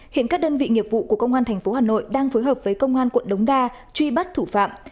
hiện các đơn vị nghiệp vụ của công an tp hà nội đang phối hợp với công an quận đống đa truy bắt thủ phạm